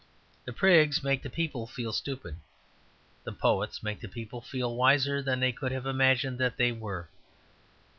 The Prigs make the people feel stupid; the Poets make the people feel wiser than they could have imagined that they were.